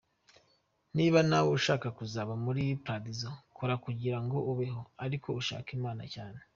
Niba nawe ushaka kuzaba muli Paradizo, kora kugirango ubeho, ariko ushake imana cyane.